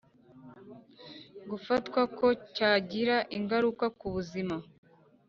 Gufatwako cyagira ingaruka ku buzima